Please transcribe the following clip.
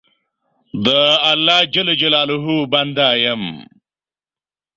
د الله جل جلاله بنده یم.